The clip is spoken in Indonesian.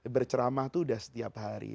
berceramah itu sudah setiap hari